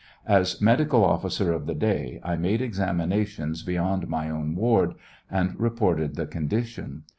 As medical officer of the day, I made examinations beyond my own ward, and reported the condition.